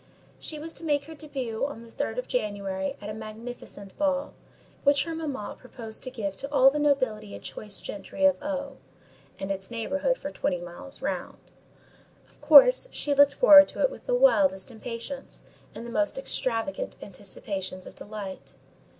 She was to make her débût on the third of January, at a magnificent ball, which her mamma proposed to give to all the nobility and choice gentry of O—— and its neighbourhood for twenty miles round. Of course, she looked forward to it with the wildest impatience, and the most extravagant anticipations of delight.